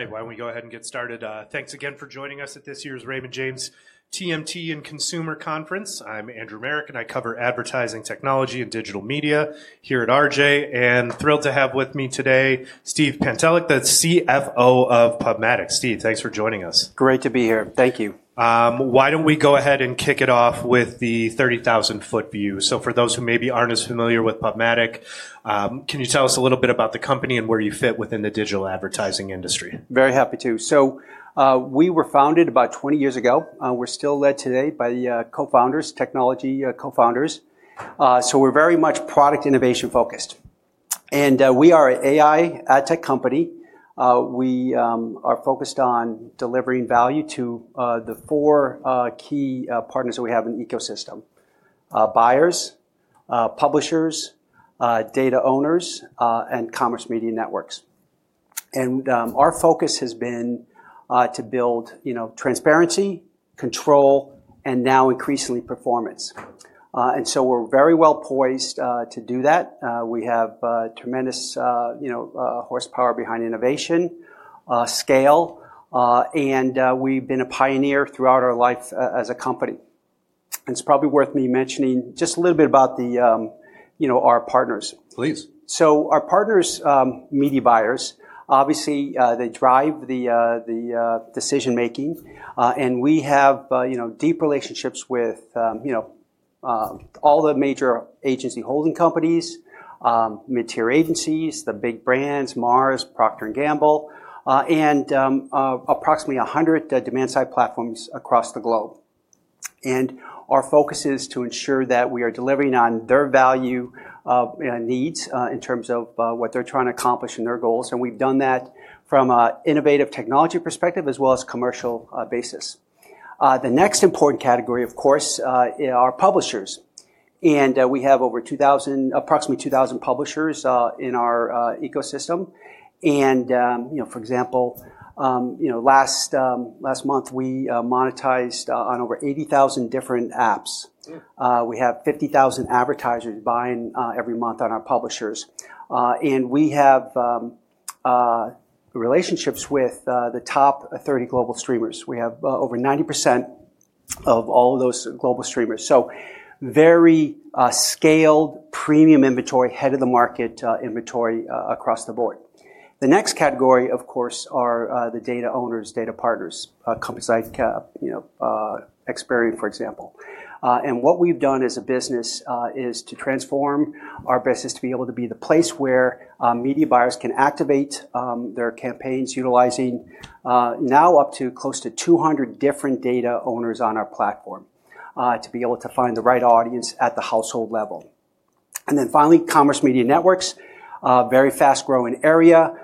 All right, why don't we go ahead and get started. Thanks again for joining us at this year's Raymond James TMT and Consumer Conference. I'm Andrew Marok, and I cover advertising technology and digital media here at RJ, and thrilled to have with me today Steve Pantelick, the CFO of PubMatic. Steve, thanks for joining us. Great to be here. Thank you. Why don't we go ahead and kick it off with the 30,000 ft view? So for those who maybe aren't as familiar with PubMatic, can you tell us a little bit about the company and where you fit within the digital advertising industry? Very happy to. So we were founded about 20 years ago. We're still led today by the technology co-founders. So we're very much product innovation focused. And we are an AI ad tech company. We are focused on delivering value to the four key partners that we have in the ecosystem: buyers, publishers, data owners, and commerce media networks. And our focus has been to build transparency, control, and now increasingly performance. And so we're very well poised to do that. We have tremendous horsepower behind innovation, scale, and we've been a pioneer throughout our life as a company. And it's probably worth me mentioning just a little bit about our partners. Please. Our partners, media buyers, obviously drive the decision-making. We have deep relationships with all the major agency holding companies, mid-tier agencies, the big brands, Mars, Procter & Gamble, and approximately 100 demand-side platforms across the globe. Our focus is to ensure that we are delivering on their value needs in terms of what they're trying to accomplish in their goals. We've done that from an innovative technology perspective as well as a commercial basis. The next important category, of course, are publishers. We have over approximately 2,000 publishers in our ecosystem. For example, last month we monetized on over 80,000 different apps. We have 50,000 advertisers buying every month on our publishers. We have relationships with the top 30 global streamers. We have over 90% of all of those global streamers. Very scaled, premium inventory, head-of-the-market inventory across the board. The next category, of course, are the data owners, data partners, companies like Experian, for example. And what we've done as a business is to transform our business to be able to be the place where media buyers can activate their campaigns utilizing now up to close to 200 different data owners on our platform to be able to find the right audience at the household level. And then finally, commerce media networks, a very fast-growing area,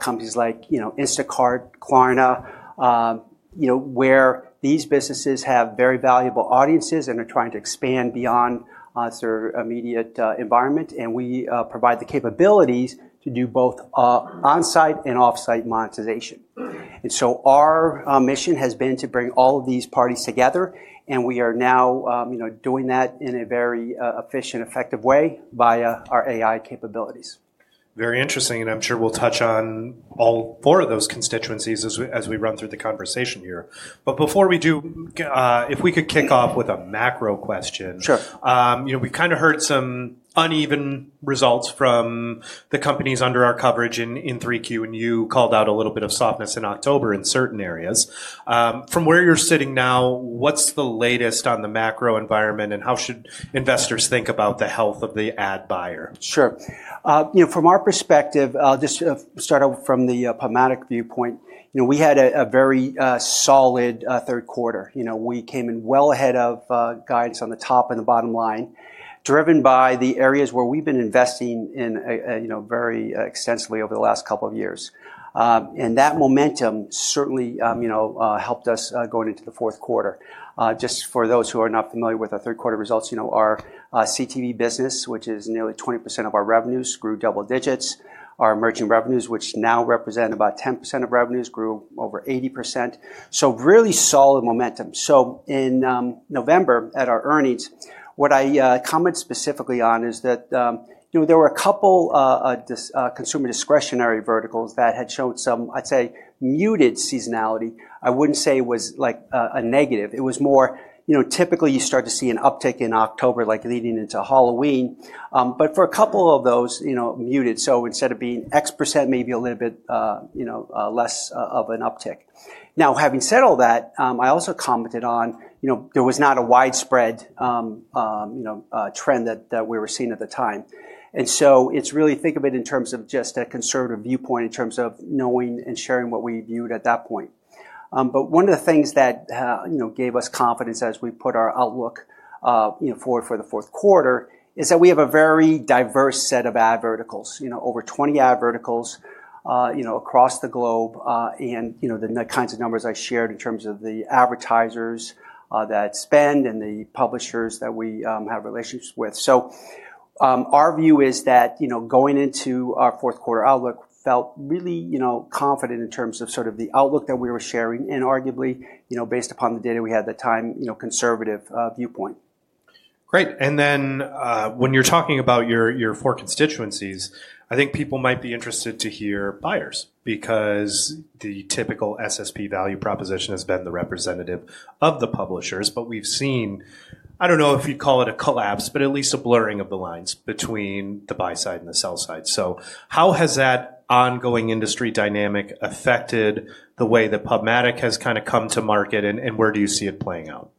companies like Instacart, Klarna, where these businesses have very valuable audiences and are trying to expand beyond their immediate environment. And we provide the capabilities to do both on-site and off-site monetization. And so our mission has been to bring all of these parties together. And we are now doing that in a very efficient, effective way via our AI capabilities. Very interesting. And I'm sure we'll touch on all four of those constituencies as we run through the conversation here. But before we do, if we could kick off with a macro question. Sure. We kind of heard some uneven results from the companies under our coverage in 3Q, and you called out a little bit of softness in October in certain areas. From where you're sitting now, what's the latest on the macro environment, and how should investors think about the health of the ad buyer? Sure. From our perspective, just to start out from the PubMatic viewpoint, we had a very solid third quarter. We came in well ahead of guidance on the top and the bottom line, driven by the areas where we've been investing very extensively over the last couple of years. And that momentum certainly helped us going into the fourth quarter. Just for those who are not familiar with our third quarter results, our CTV business, which is nearly 20% of our revenues, grew double digits. Our merchant revenues, which now represent about 10% of revenues, grew over 80%. So really solid momentum. So in November, at our earnings, what I comment specifically on is that there were a couple of consumer discretionary verticals that had shown some, I'd say, muted seasonality. I wouldn't say it was like a negative. It was more typically you start to see an uptick in October, like leading into Halloween, but for a couple of those, muted, so instead of being X%, maybe a little bit less of an uptick. Now, having said all that, I also commented on there was not a widespread trend that we were seeing at the time, and so it's really think of it in terms of just a conservative viewpoint in terms of knowing and sharing what we viewed at that point, but one of the things that gave us confidence as we put our outlook forward for the fourth quarter is that we have a very diverse set of ad verticals, over 20 ad verticals across the globe, and the kinds of numbers I shared in terms of the advertisers that spend and the publishers that we have relationships with. So, our view is that going into our fourth quarter outlook felt really confident in terms of sort of the outlook that we were sharing, and arguably, based upon the data we had at the time, conservative viewpoint. Great. And then when you're talking about your four constituencies, I think people might be interested to hear buyers because the typical SSP value proposition has been the representative of the publishers. But we've seen, I don't know if you'd call it a collapse, but at least a blurring of the lines between the buy side and the sell side. So how has that ongoing industry dynamic affected the way that PubMatic has kind of come to market, and where do you see it playing out?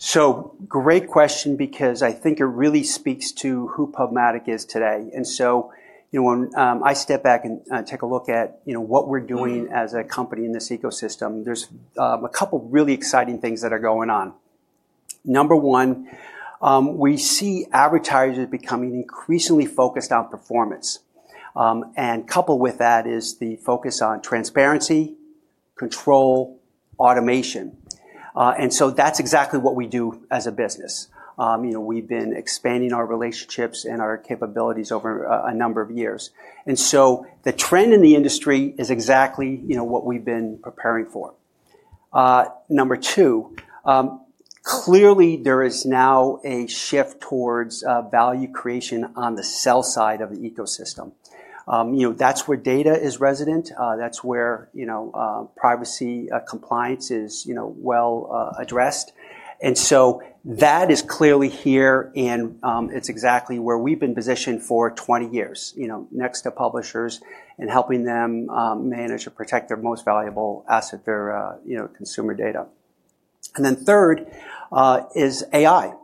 So great question because I think it really speaks to who PubMatic is today. And so when I step back and take a look at what we're doing as a company in this ecosystem, there's a couple of really exciting things that are going on. Number one, we see advertisers becoming increasingly focused on performance. And coupled with that is the focus on transparency, control, automation. And so that's exactly what we do as a business. We've been expanding our relationships and our capabilities over a number of years. And so the trend in the industry is exactly what we've been preparing for. Number two, clearly there is now a shift towards value creation on the sell side of the ecosystem. That's where data is resident. That's where privacy compliance is well addressed. And so that is clearly here, and it's exactly where we've been positioned for 20 years, next to publishers and helping them manage and protect their most valuable asset, their consumer data. And then third is AI.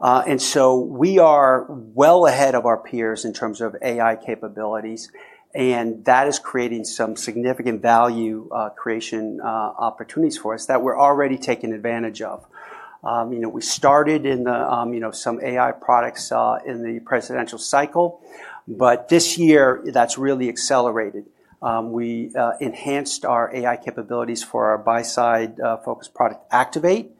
And so we are well ahead of our peers in terms of AI capabilities. And that is creating some significant value creation opportunities for us that we're already taking advantage of. We started in some AI products in the presidential cycle, but this year that's really accelerated. We enhanced our AI capabilities for our buy-side focus product, Activate.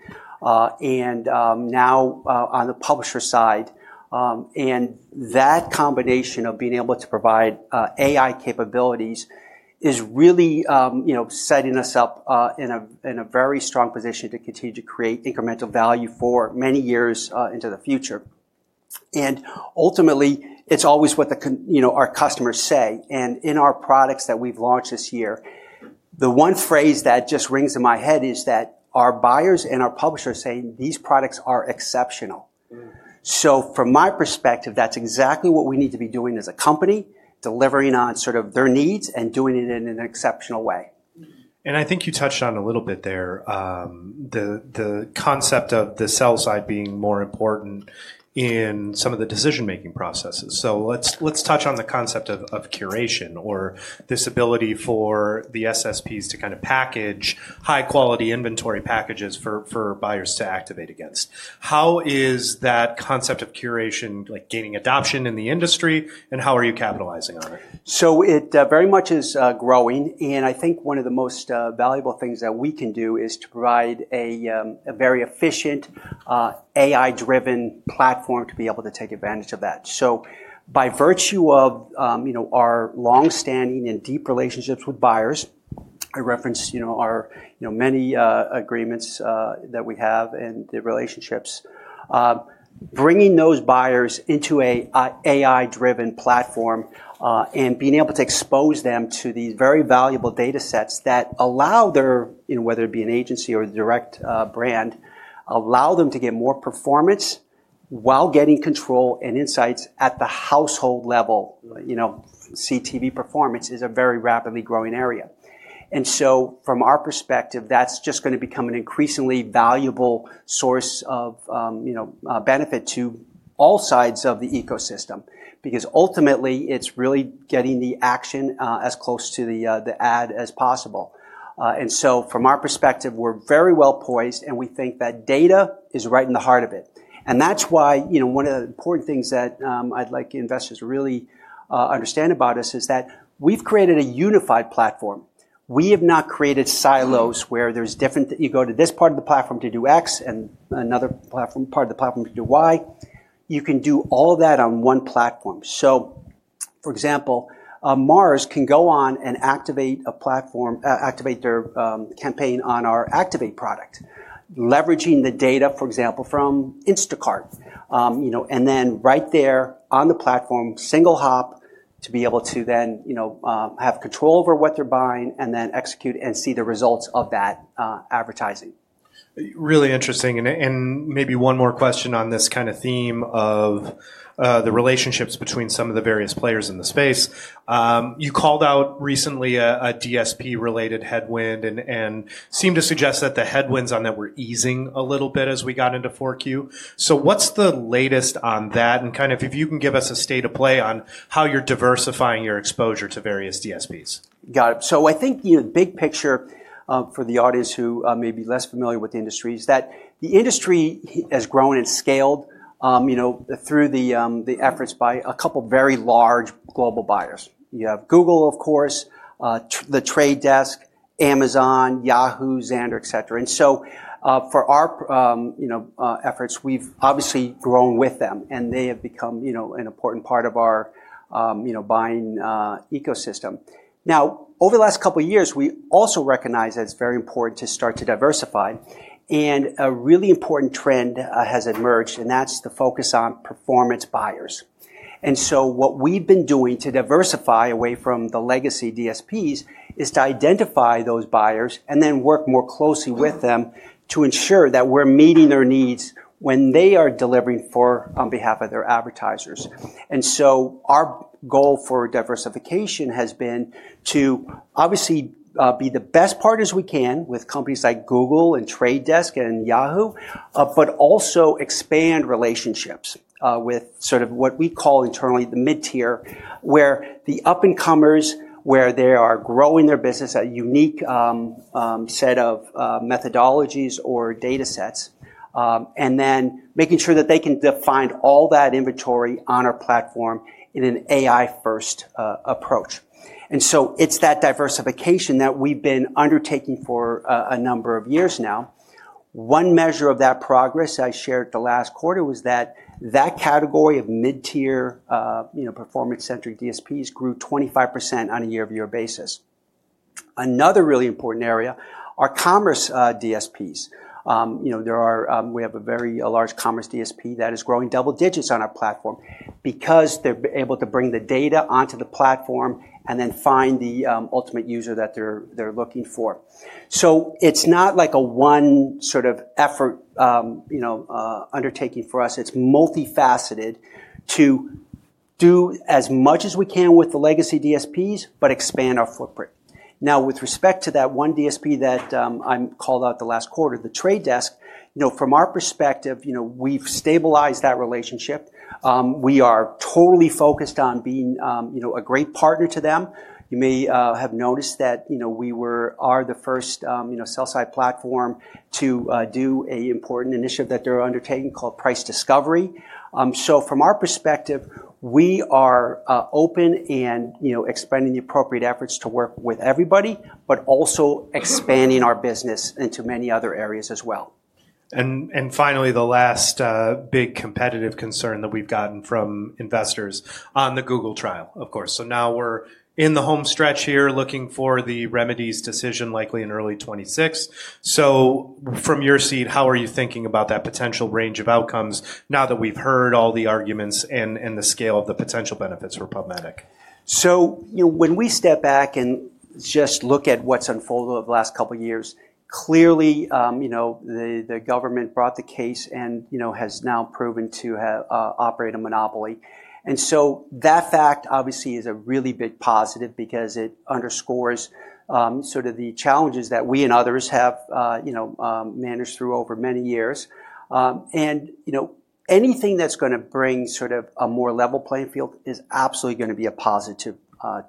And now on the publisher side, and that combination of being able to provide AI capabilities is really setting us up in a very strong position to continue to create incremental value for many years into the future. And ultimately, it's always what our customers say. In our products that we've launched this year, the one phrase that just rings in my head is that our buyers and our publishers are saying, "These products are exceptional." From my perspective, that's exactly what we need to be doing as a company, delivering on sort of their needs and doing it in an exceptional way. And I think you touched on a little bit there, the concept of the sell side being more important in some of the decision-making processes. So let's touch on the concept of curation or this ability for the SSPs to kind of package high-quality inventory packages for buyers to activate against. How is that concept of curation gaining adoption in the industry, and how are you capitalizing on it? So it very much is growing. And I think one of the most valuable things that we can do is to provide a very efficient, AI-driven platform to be able to take advantage of that. So by virtue of our long-standing and deep relationships with buyers, I referenced our many agreements that we have and the relationships, bringing those buyers into an AI-driven platform and being able to expose them to these very valuable data sets that allow their, whether it be an agency or direct brand, allow them to get more performance while getting control and insights at the household level. CTV performance is a very rapidly growing area. And so from our perspective, that's just going to become an increasingly valuable source of benefit to all sides of the ecosystem because ultimately, it's really getting the action as close to the ad as possible. And so from our perspective, we're very well poised, and we think that data is right in the heart of it. And that's why one of the important things that I'd like investors to really understand about us is that we've created a unified platform. We have not created silos where there's different you go to this part of the platform to do X and another part of the platform to do Y. You can do all that on one platform. So for example, Mars can go on and activate their campaign on our Activate product, leveraging the data, for example, from Instacart. And then right there on the platform, single hop to be able to then have control over what they're buying and then execute and see the results of that advertising. Really interesting. And maybe one more question on this kind of theme of the relationships between some of the various players in the space. You called out recently a DSP-related headwind and seemed to suggest that the headwinds on that were easing a little bit as we got into 4Q. So what's the latest on that? And kind of if you can give us a state of play on how you're diversifying your exposure to various DSPs. Got it. So I think the big picture for the audience who may be less familiar with the industry is that the industry has grown and scaled through the efforts by a couple of very large global buyers. You have Google, of course, The Trade Desk, Amazon, Yahoo, Xandr, etc. And so for our efforts, we've obviously grown with them, and they have become an important part of our buying ecosystem. Now, over the last couple of years, we also recognize that it's very important to start to diversify. And a really important trend has emerged, and that's the focus on performance buyers. And so what we've been doing to diversify away from the legacy DSPs is to identify those buyers and then work more closely with them to ensure that we're meeting their needs when they are delivering on behalf of their advertisers. And so our goal for diversification has been to obviously be the best partners we can with companies like Google and Trade Desk and Yahoo, but also expand relationships with sort of what we call internally the mid-tier, where the up-and-comers, where they are growing their business at a unique set of methodologies or data sets, and then making sure that they can define all that inventory on our platform in an AI-first approach. And so it's that diversification that we've been undertaking for a number of years now. One measure of that progress I shared the last quarter was that that category of mid-tier performance-centric DSPs grew 25% on a year-over-year basis. Another really important area are commerce DSPs. We have a very large commerce DSP that is growing double digits on our platform because they're able to bring the data onto the platform and then find the ultimate user that they're looking for. So it's not like a one sort of effort undertaking for us. It's multifaceted to do as much as we can with the legacy DSPs, but expand our footprint. Now, with respect to that one DSP that I called out the last quarter, The Trade Desk, from our perspective, we've stabilized that relationship. We are totally focused on being a great partner to them. You may have noticed that we are the first sell-side platform to do an important initiative that they're undertaking called Price Discovery. So from our perspective, we are open and expanding the appropriate efforts to work with everybody, but also expanding our business into many other areas as well. And finally, the last big competitive concern that we've gotten from investors on the Google trial, of course. So now we're in the home stretch here looking for the remedies decision likely in early 2026. So from your seat, how are you thinking about that potential range of outcomes now that we've heard all the arguments and the scale of the potential benefits for PubMatic? When we step back and just look at what's unfolded over the last couple of years, clearly the government brought the case and has now proven to operate a monopoly. That fact, obviously, is a really big positive because it underscores sort of the challenges that we and others have managed through over many years. Anything that's going to bring sort of a more level playing field is absolutely going to be a positive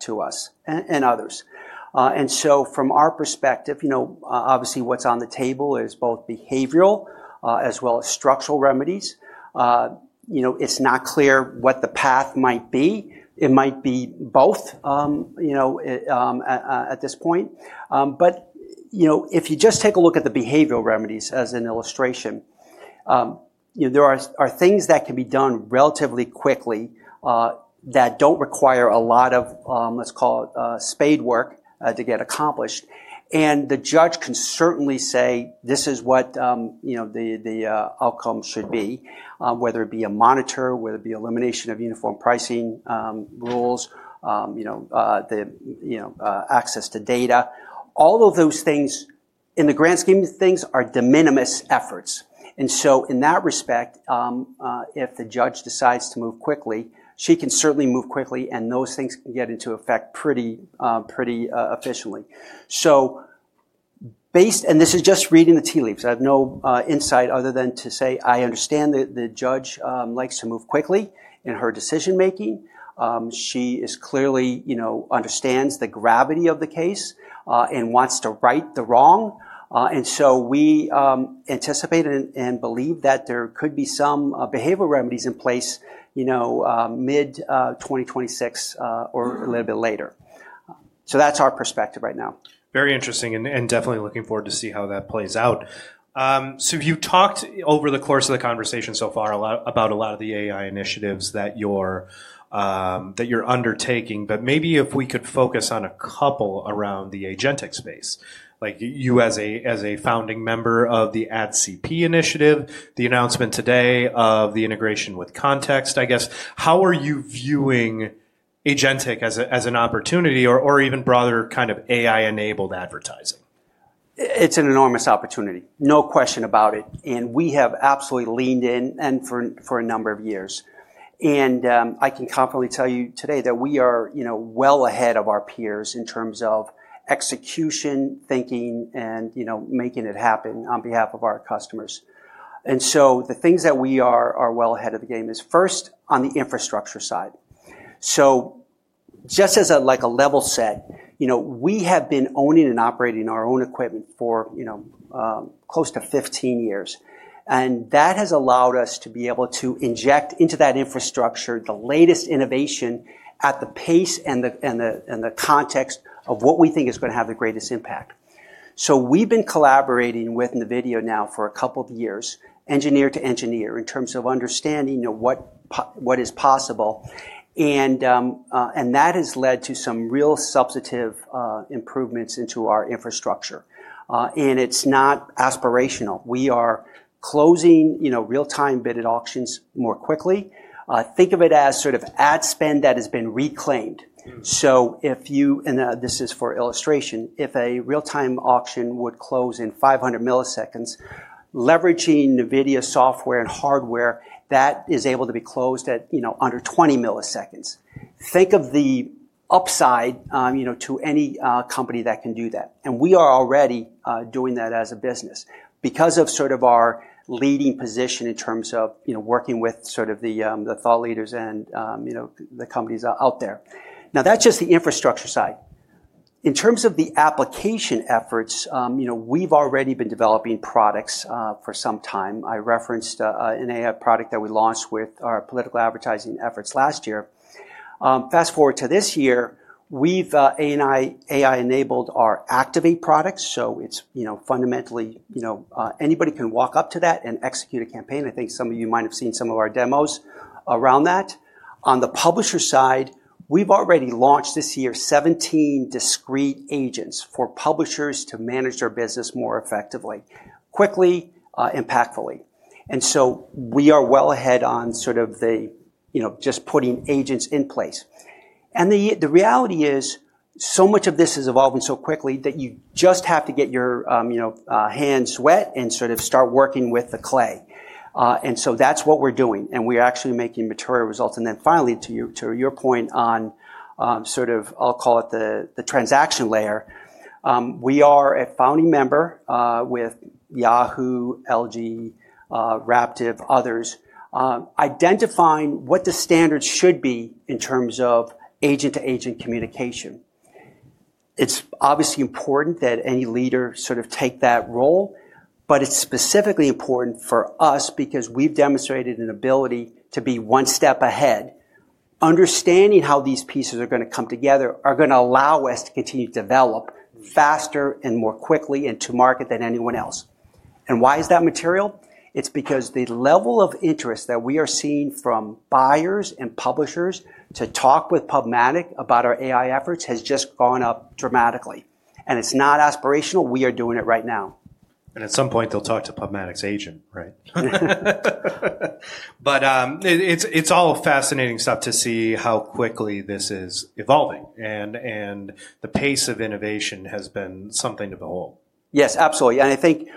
to us and others. From our perspective, obviously, what's on the table is both behavioral as well as structural remedies. It's not clear what the path might be. It might be both at this point. But if you just take a look at the behavioral remedies as an illustration, there are things that can be done relatively quickly that don't require a lot of, let's call it, spade work to get accomplished. And the judge can certainly say, "This is what the outcome should be," whether it be a monitor, whether it be elimination of uniform pricing rules, access to data. All of those things in the grand scheme of things are de minimis efforts. And so in that respect, if the judge decides to move quickly, she can certainly move quickly, and those things can get into effect pretty efficiently. And this is just reading the tea leaves. I have no insight other than to say I understand that the judge likes to move quickly in her decision-making. She clearly understands the gravity of the case and wants to right the wrong. We anticipate and believe that there could be some behavioral remedies in place mid-2026 or a little bit later. That's our perspective right now. Very interesting and definitely looking forward to see how that plays out. So you've talked over the course of the conversation so far about a lot of the AI initiatives that you're undertaking, but maybe if we could focus on a couple around the agentic space. You, as a founding member of the AdCP initiative, the announcement today of the integration with Context, I guess, how are you viewing agentic as an opportunity or even broader kind of AI-enabled advertising? It's an enormous opportunity, no question about it. And we have absolutely leaned in for a number of years. And I can confidently tell you today that we are well ahead of our peers in terms of execution, thinking, and making it happen on behalf of our customers. And so the things that we are well ahead of the game is first on the infrastructure side. So just as a level set, we have been owning and operating our own equipment for close to 15 years. And that has allowed us to be able to inject into that infrastructure the latest innovation at the pace and the context of what we think is going to have the greatest impact. So we've been collaborating with NVIDIA now for a couple of years, engineer to engineer, in terms of understanding what is possible. And that has led to some real substantive improvements into our infrastructure. And it's not aspirational. We are closing real-time bidded auctions more quickly. Think of it as sort of ad spend that has been reclaimed. So if you, and this is for illustration, if a real-time auction would close in 500 milliseconds, leveraging NVIDIA software and hardware that is able to be closed at under 20 milliseconds. Think of the upside to any company that can do that. And we are already doing that as a business because of sort of our leading position in terms of working with sort of the thought leaders and the companies out there. Now, that's just the infrastructure side. In terms of the application efforts, we've already been developing products for some time. I referenced an AI product that we launched with our political advertising efforts last year. Fast forward to this year, we've AI-enabled our Activate products, so fundamentally, anybody can walk up to that and execute a campaign. I think some of you might have seen some of our demos around that. On the publisher side, we've already launched this year 17 discrete agents for publishers to manage their business more effectively, quickly, impactfully, and so we are well ahead on sort of just putting agents in place, and the reality is so much of this is evolving so quickly that you just have to get your hands wet and sort of start working with the clay, and so that's what we're doing, and we're actually making material results, and then finally, to your point on sort of, I'll call it the transaction layer, we are a founding member with Yahoo, LG, Raptive, others, identifying what the standards should be in terms of agent-to-agent communication. It's obviously important that any leader sort of take that role, but it's specifically important for us because we've demonstrated an ability to be one step ahead. Understanding how these pieces are going to come together are going to allow us to continue to develop faster and more quickly and to market than anyone else. And why is that material? It's because the level of interest that we are seeing from buyers and publishers to talk with PubMatic about our AI efforts has just gone up dramatically. And it's not aspirational. We are doing it right now. And at some point, they'll talk to PubMatic's agent, right? But it's all fascinating stuff to see how quickly this is evolving. And the pace of innovation has been something to behold. Yes, absolutely, and I think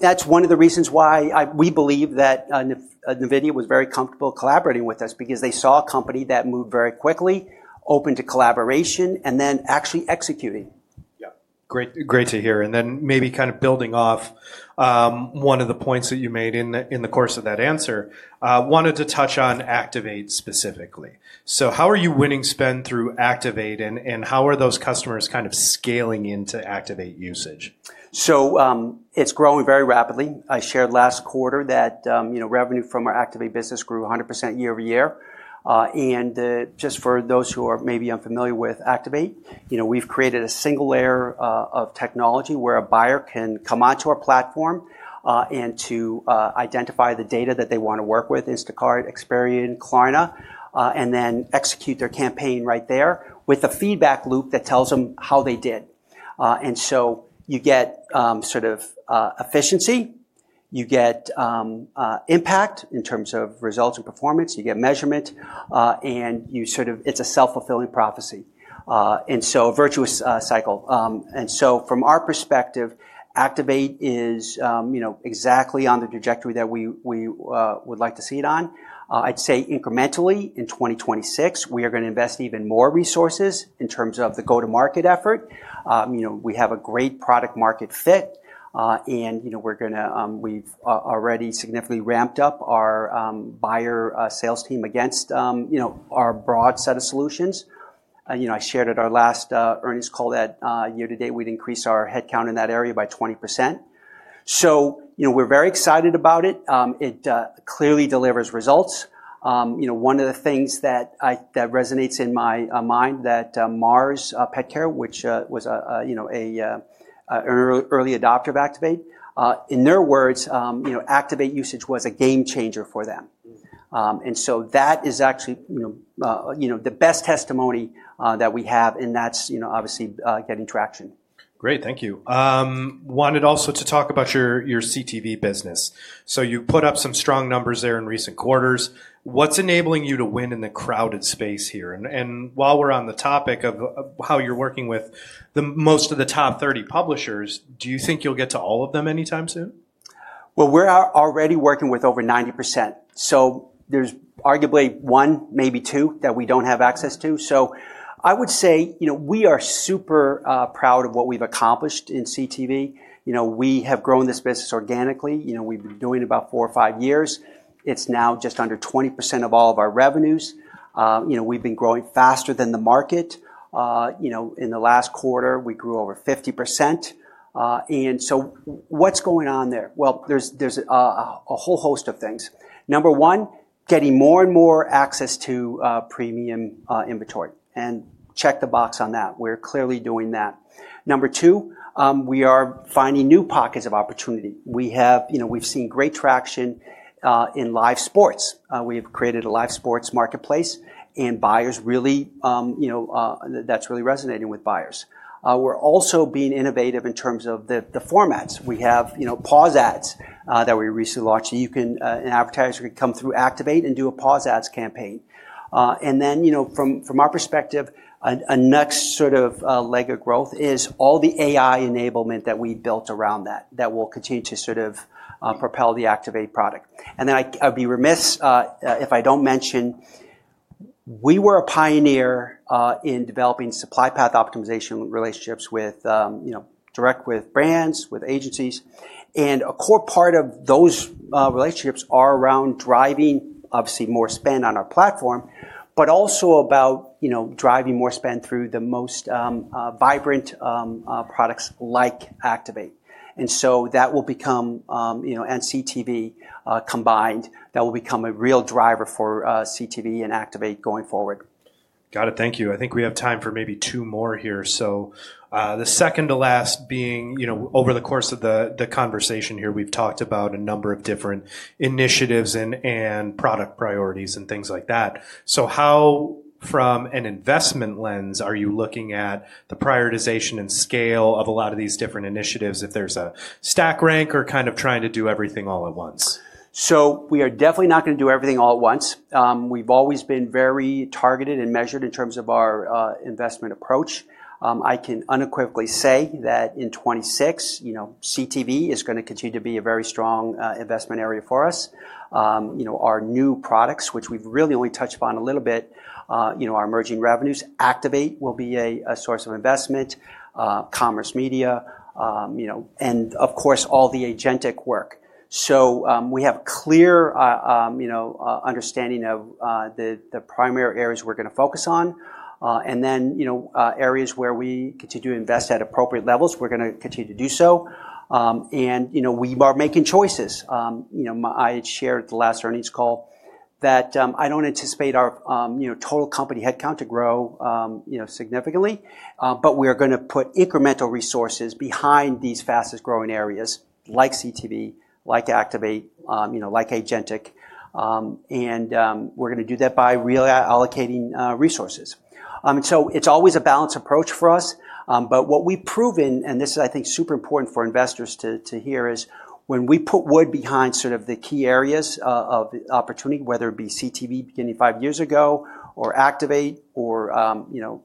that's one of the reasons why we believe that NVIDIA was very comfortable collaborating with us because they saw a company that moved very quickly, open to collaboration, and then actually executing. Yeah, great to hear, and then maybe kind of building off one of the points that you made in the course of that answer, I wanted to touch on Activate specifically, so how are you winning spend through Activate, and how are those customers kind of scaling into Activate usage? It's growing very rapidly. I shared last quarter that revenue from our Activate business grew 100% year over year. And just for those who are maybe unfamiliar with Activate, we've created a single layer of technology where a buyer can come onto our platform and to identify the data that they want to work with, Instacart, Experian, Klarna, and then execute their campaign right there with a feedback loop that tells them how they did. And so you get sort of efficiency, you get impact in terms of results and performance, you get measurement, and it's a self-fulfilling prophecy. And so a virtuous cycle. And so from our perspective, Activate is exactly on the trajectory that we would like to see it on. I'd say incrementally in 2026, we are going to invest even more resources in terms of the go-to-market effort. We have a great product-market fit, and we've already significantly ramped up our buyer sales team against our broad set of solutions. I shared at our last earnings call that year to date, we'd increased our headcount in that area by 20%. So we're very excited about it. It clearly delivers results. One of the things that resonates in my mind that Mars Petcare, which was an early adopter of Activate, in their words, Activate usage was a game changer for them. And so that is actually the best testimony that we have, and that's obviously getting traction. Great, thank you. Wanted also to talk about your CTV business. So you put up some strong numbers there in recent quarters. What's enabling you to win in the crowded space here? And while we're on the topic of how you're working with most of the top 30 publishers, do you think you'll get to all of them anytime soon? We're already working with over 90%. There's arguably one, maybe two, that we don't have access to. I would say we are super proud of what we've accomplished in CTV. We have grown this business organically. We've been doing it about four or five years. It's now just under 20% of all of our revenues. We've been growing faster than the market. In the last quarter, we grew over 50%. What's going on there? There's a whole host of things. Number one, getting more and more access to premium inventory and check the box on that. We're clearly doing that. Number two, we are finding new pockets of opportunity. We've seen great traction in live sports. We have created a live sports marketplace, and that's really resonating with buyers. We're also being innovative in terms of the formats. We have pause ads that we recently launched. An advertiser could come through Activate and do a pause ads campaign, and then from our perspective, a next sort of leg of growth is all the AI enablement that we built around that that will continue to sort of propel the Activate product, and then I'd be remiss if I don't mention we were a pioneer in developing supply path optimization relationships direct with brands, with agencies, and a core part of those relationships are around driving, obviously, more spend on our platform, but also about driving more spend through the most vibrant products like Activate, and so that will become, and CTV combined, that will become a real driver for CTV and Activate going forward. Got it. Thank you. I think we have time for maybe two more here. So the second to last being, over the course of the conversation here, we've talked about a number of different initiatives and product priorities and things like that. So how, from an investment lens, are you looking at the prioritization and scale of a lot of these different initiatives if there's a stack rank or kind of trying to do everything all at once? So we are definitely not going to do everything all at once. We've always been very targeted and measured in terms of our investment approach. I can unequivocally say that in 2026, CTV is going to continue to be a very strong investment area for us. Our new products, which we've really only touched upon a little bit, our emerging revenues, Activate will be a source of investment, commerce media, and of course, all the agentic work. So we have a clear understanding of the primary areas we're going to focus on. And then areas where we continue to invest at appropriate levels, we're going to continue to do so. And we are making choices. I had shared at the last earnings call that I don't anticipate our total company headcount to grow significantly, but we are going to put incremental resources behind these fastest growing areas like CTV, like Activate, like agentic. And we're going to do that by really allocating resources. So it's always a balanced approach for us. But what we've proven, and this is, I think, super important for investors to hear, is when we put wood behind sort of the key areas of opportunity, whether it be CTV beginning five years ago or Activate or now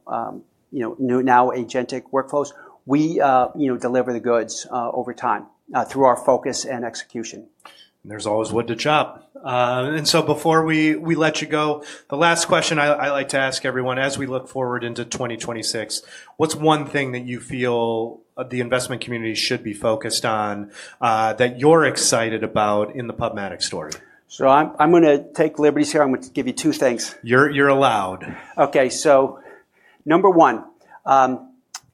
agentic workflows, we deliver the goods over time through our focus and execution. There's always wood to chop. And so before we let you go, the last question I like to ask everyone as we look forward into 2026, what's one thing that you feel the investment community should be focused on that you're excited about in the PubMatic story? So I'm going to take liberties here. I'm going to give you two things. You're allowed. Okay, so number one,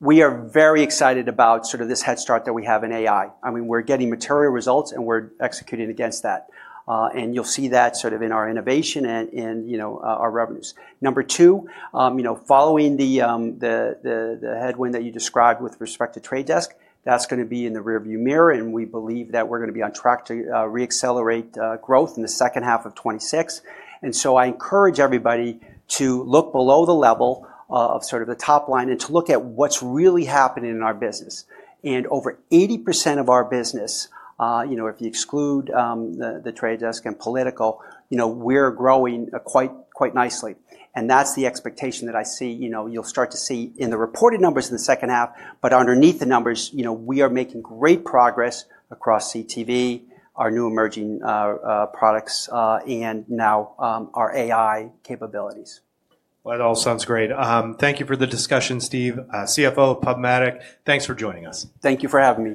we are very excited about sort of this head start that we have in AI. I mean, we're getting material results, and we're executing against that. And you'll see that sort of in our innovation and our revenues. Number two, following the headwind that you described with respect to Trade Desk, that's going to be in the rearview mirror. And we believe that we're going to be on track to re-accelerate growth in the second half of 2026. And so I encourage everybody to look below the level of sort of the top line and to look at what's really happening in our business. And over 80% of our business, if you exclude the Trade Desk and Political, we're growing quite nicely. And that's the expectation that I see you'll start to see in the reported numbers in the second half. But underneath the numbers, we are making great progress across CTV, our new emerging products, and now our AI capabilities. It all sounds great. Thank you for the discussion, Steve, CFO of PubMatic. Thanks for joining us. Thank you for having me.